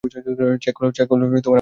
Check করলে আমাকে online দেখাবে।